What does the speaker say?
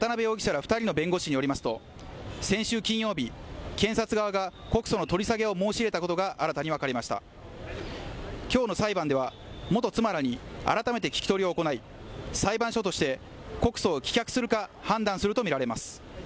二人の弁護士によりますと先週金曜日検察側が告訴の取り下げを申し入れたことが新たに分かりました今日の裁判では元妻らに改めて聞き取りを行い裁判所として告訴を棄却するか判断すると見られます